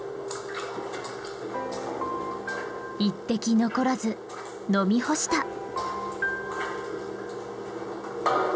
１滴残らず飲み干した。